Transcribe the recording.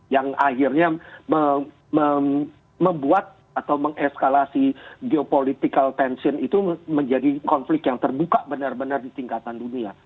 yang akhirnya membuat atau mengeskalasi geopolitical tension itu menjadi konflik yang terbuka benar benar di tingkatan dunia